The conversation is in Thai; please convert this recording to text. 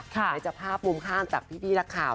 ในจับภาพมุมข้างจากพี่พี่ราคาว